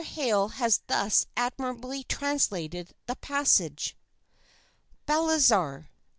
Hale has thus admirably translated the passage: "BALTHAZAR.